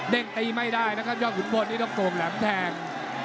เด้งตีไม่ได้นะครับอย่างขุมพลนี้ต้องกล่องแหลมแทง